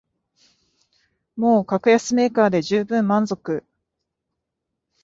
もう格安メーカーでじゅうぶん満足